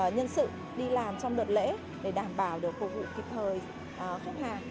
nhân sự đi làm trong đợt lễ để đảm bảo được phục vụ kịp thời khách hàng